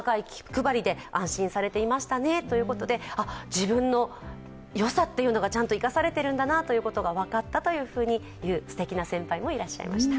自分のよさというのがちゃんと生かされているんだというのが分かったというすてきな先輩もいらっしゃいました。